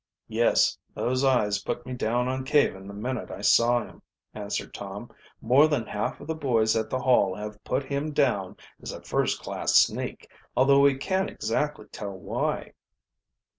"Yes, those eyes put me down on Caven the minute I saw him," answered Tom. "More than half of the boys at the Hall have put him down as a first class sneak, although we can't exactly tell why."